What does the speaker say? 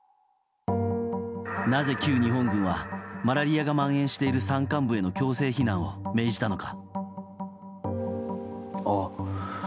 なぜ旧日本軍はマラリアが蔓延している山間部への強制避難を命じたのか。